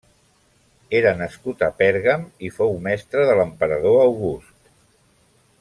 Era nascut a Pèrgam i fou mestre de l'emperador August.